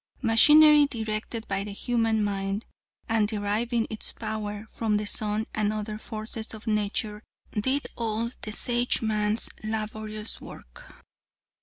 Machinery, directed by the human mind, and deriving its power from the sun and other forces of nature, did all of the Sageman's laborious work.